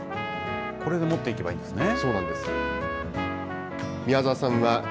これで持っていけばいいんですね。